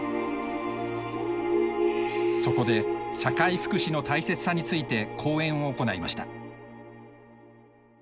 そこで社会福祉の大切さについて講演を行いました。